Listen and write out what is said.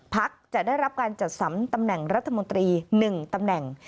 พักจะได้รับการจัดสรรตำแหน่งรัฐมนตรี๑ตำแหน่ง